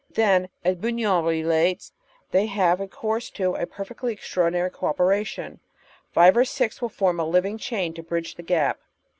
Then, as Bugnion relates, they have recoinrse to a perfectly extraordinary co operation. Five or six will form a living chain to bridge the gap.